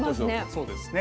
そうですね。